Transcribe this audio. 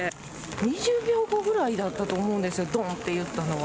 ２０秒後ぐらいだったと思うんです、ドンといったのは。